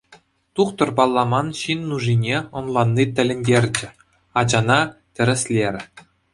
Тухтӑр палламан ҫын нушине ӑнланни тӗлӗнтерчӗ, ачана тӗрӗслерӗ.